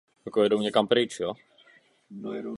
Chceme, aby byly bojové skupiny financovány z mechanismu Athena.